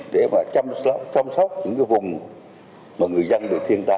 để mà chăm sóc những vùng mà người dân được thiên tài